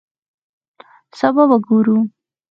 سبا به ګورو